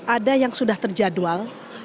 ada yang sudah terjadwal